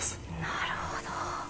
なるほど。